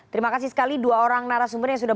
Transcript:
terima kasih sekali dua orang narasumber yang sudah